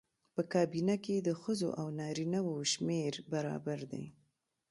په کابینه کې د ښځو او نارینه وو شمېر برابر دی.